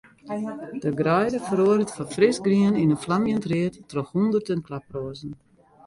De greide feroaret fan frisgrien yn in flamjend read troch hûnderten klaproazen.